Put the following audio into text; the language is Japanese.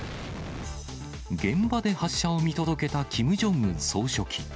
現場で発射を見届けたキム・ジョンウン総書記。